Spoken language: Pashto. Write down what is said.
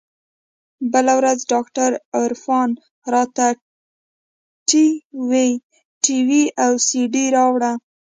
بله ورځ ډاکتر عرفان راته ټي وي او سي ډي راوړه.